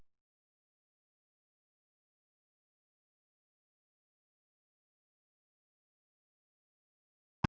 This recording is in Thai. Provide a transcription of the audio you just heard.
โปรดติดตามต่อไป